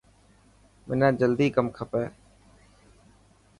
منان جلدي ڪم کپي.